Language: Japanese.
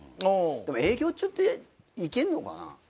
でも営業中って行けんのかな？